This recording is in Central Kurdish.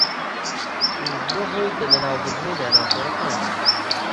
و بووە هۆی لەناوبردنی دایناسۆرەکان